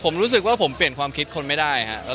ผมรู้สึกว่าผมเปลี่ยนความคิดคนไม่ได้ครับ